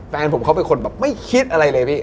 แฟนผมเขาเป็นคนแบบไม่คิดอะไรเลยพี่